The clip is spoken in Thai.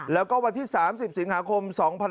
แล้วก็วันที่๓๐สิงหาคม๒๕๖๒